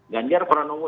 ganjar orang nongo